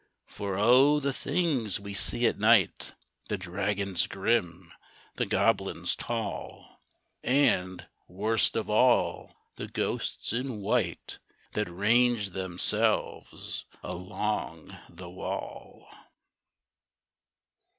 For O! the things we see at night The dragons grim, the goblins tall, And, worst of all, the ghosts in white That range themselves along the wall!